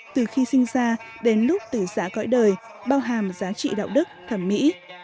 từ khi sinh ra đến lúc tử giã cõi đời bao hàm giá trị đạo đức thẩm mỹ